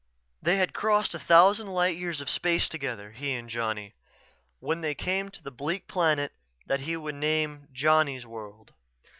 They had crossed a thousand light years of space together, he and Johnny, when they came to the bleak planet that he would name Johnny's World.